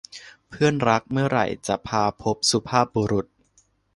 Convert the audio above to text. เพื่อนรัก เมื่อไหร่จะมาพบสุภาพบุรุษ